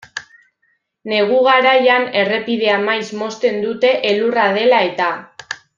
Negu garaian errepidea maiz mozten dute elurra dela eta.